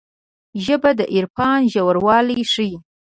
ژبه د عرفان ژوروالی ښيي